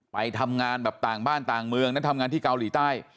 ไปทำงานแบบต่างบ้านต่างเมืองนั้นทำงานที่เกาหลีใต้